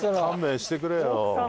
勘弁してくれよ。